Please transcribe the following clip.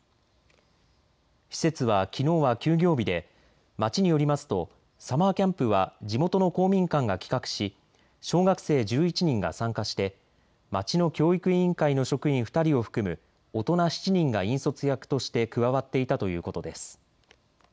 施設はきのうは休業日で町によりますとサマーキャンプは地元の公民館が企画し小学生１１人が参加して町の教育委員会の職員２人を含む大人７人が引率役として加わっていたということです。